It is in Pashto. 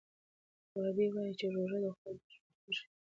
غابي وايي چې روژه د خدای د خوښۍ سبب ګرځي.